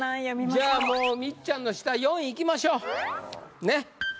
じゃあもうみっちゃんの下４位いきましょうねっ。